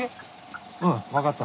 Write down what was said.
うん分かった。